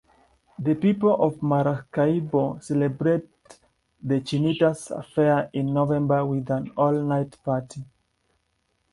The people of Maracaibo celebrate the Chinita's fair in November with an all-night party.